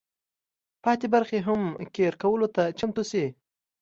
پاتې برخې هم قیر کولو ته چمتو شي.